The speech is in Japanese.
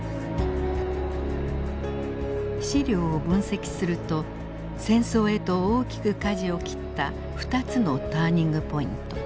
史料を分析すると戦争へと大きくかじを切った２つのターニングポイント。